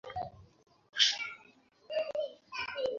এটা থাকবে তো?